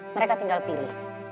mereka tinggal pilih